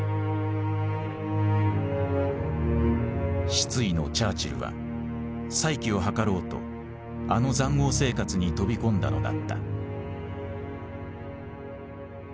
失意のチャーチルは再起を図ろうとあの塹壕生活に飛び込んだのだった。